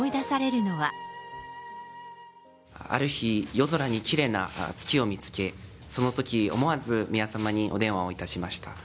ある日、夜空にきれいな月を見つけ、そのとき、思わず宮さまにお電話をいたしました。